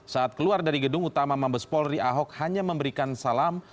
saat keluar dari gedung utama mabes polri ahok hanya memberikan salam